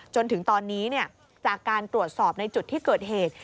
จนถึงตอนนี้จากการตรวจสอบในจุดที่เกิดเหตุ